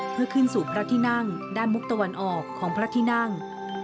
เพื่อขึ้นสู่พระที่นั่งด้านมุกตะวันออกของพระที่นั่ง